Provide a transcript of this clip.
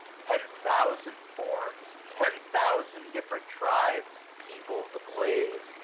Ten thousand forms ! ten thousand different tribes ! People the blaze.